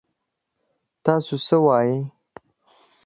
تاسو څه وايي ؟